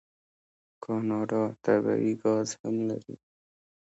کاناډا طبیعي ګاز هم لري.